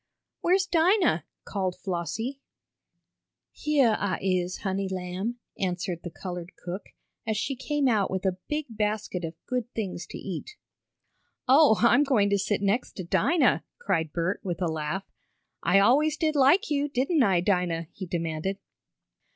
"Where's Dinah?" called Flossie. "Heah I is, honey lamb," answered the colored cook, as she came out with a big basket of good things to eat. "Oh, I'm going to sit next to Dinah!" cried Bert with a laugh. "I always did like you, didn't I, Dinah?" he demanded.